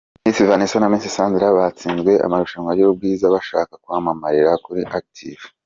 Miss Vanessa na Miss Sandra batsinzwe amarushanwa y’ubwiza, bashaka kwamamarira kuri Active ?.